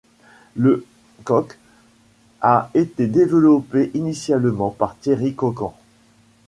Le CoC a été développé initialement par Thierry Coquand.